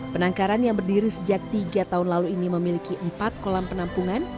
penangkaran yang berdiri sejak tiga tahun lalu ini memiliki empat kolam penampungan